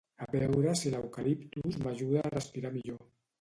A veure si l'eucaliptus m'ajuda a respirar millor